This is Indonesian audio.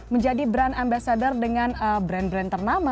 menjadi brand ambasador dengan brand brand ternama